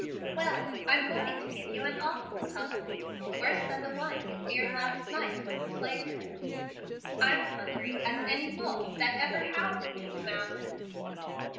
"Well, I'm going to give you an awful tumble, worse than the one you feared last night when the sleigh tipped. I'm hungry as any wolf that ever howled in these mountains."